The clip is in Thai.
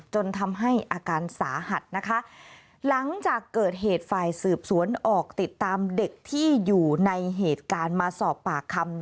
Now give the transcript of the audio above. จนทำให้อาการสาหัสนะคะหลังจากเกิดเหตุฝ่ายสืบสวนออกติดตามเด็กที่อยู่ในเหตุการณ์มาสอบปากคำ